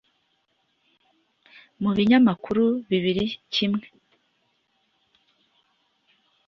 mu binyamakuru bibiri kimwe